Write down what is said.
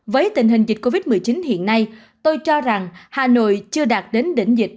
với tình hình dịch covid một mươi chín hiện nay tôi cho rằng hà nội chưa đạt đến đỉnh dịch